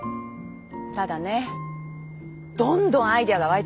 ただねどんどんアイデアが湧いてくるの。